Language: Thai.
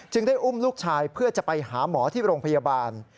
ได้อุ้มลูกชายเพื่อจะไปหาหมอที่โรงพยาบาล